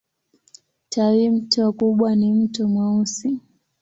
Tawimto kubwa ni Mto Mweusi.